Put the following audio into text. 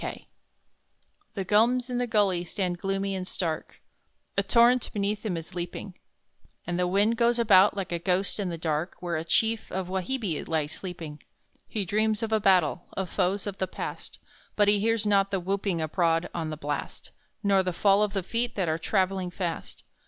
Kooroora The gums in the gully stand gloomy and stark, A torrent beneath them is leaping, And the wind goes about like a ghost in the dark Where a chief of Wahibbi lies sleeping! He dreams of a battle of foes of the past, But he hears not the whooping abroad on the blast, Nor the fall of the feet that are travelling fast.